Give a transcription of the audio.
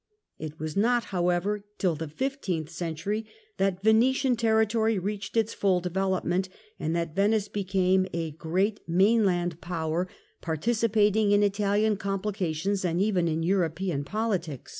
It was not, however, till the fifteenth century that Venetian territory reached its full development, and that Venice became a great 32 THE END OF THE MIDDLE AGE mainland power, participating in Italian complications and even in European politics.